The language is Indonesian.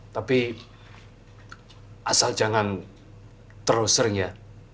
tapi asal jangan terus sering ya